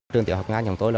trường tiểu học nga nhà tôi